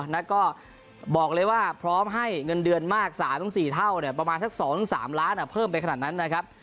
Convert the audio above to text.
แล้วก็บอกเลยว่าพร้อมให้เงินเดือนมาก๓๔เท่าเนี่ยประมาณสัก๒๓ล้านเพิ่มไปขนาดนั้นนะครับ